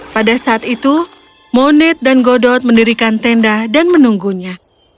pada saat itu moned dan godot mendirikan tenda dan menunggunya